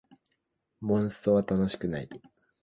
モンストは楽しくない